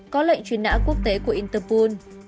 có lệnh truyền nã quốc tế của interpol